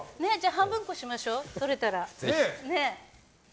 半分こしましょう、とれたら。